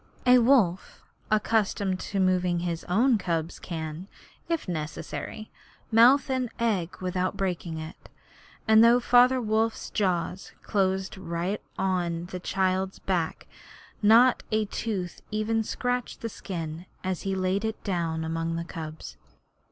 A wolf accustomed to moving his own cubs can, if necessary, mouth an egg without breaking it, and though Father Wolf's jaws closed right on the child's back not a tooth even scratched the skin, as he laid it down among the cubs.